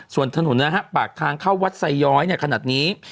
ส่วนถนนนะครับปากทางเข้าวัดไซย้อยเนี่ยขนาดนี้